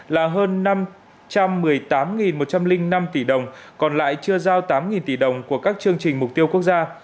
là hơn năm trăm một mươi tám một trăm linh năm tỷ đồng còn lại chưa giao tám tỷ đồng của các chương trình mục tiêu quốc gia